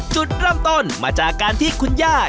จุดเริ่มต้นมาจากการที่คุณย่า